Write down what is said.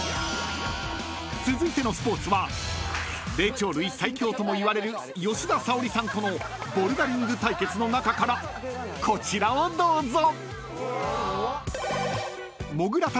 ［続いてのスポーツは霊長類最強ともいわれる吉田沙保里さんとのボルダリング対決の中からこちらをどうぞ］